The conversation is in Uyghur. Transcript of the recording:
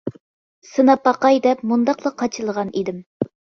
سىناپ باقاي دەپ مۇنداقلا قاچىلىغان ئىدىم.